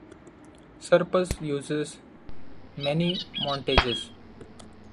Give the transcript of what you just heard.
Surplus uses many montages.